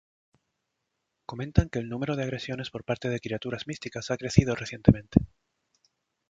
Comentan que el número de agresiones por parte de criaturas místicas ha crecido recientemente.